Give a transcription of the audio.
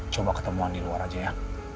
coba ketemuan di luar aja ya